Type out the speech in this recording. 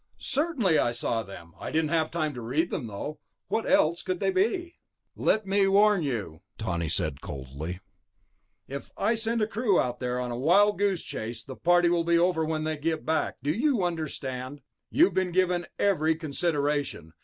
"Certainly I saw them. I didn't have time to read them through, but what else could they be?" "Let me warn you," Tawney said coldly, "if I send a crew out there on a wild goose chase, the party will be over when they get back, do you understand? You've been given every consideration.